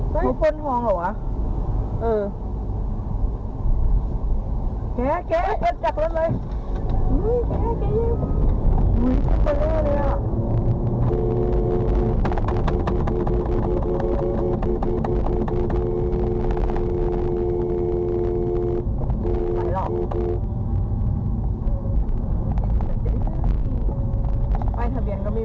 ไปทะเบียนก็ไม่มี